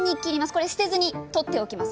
これ捨てずに取っておきます。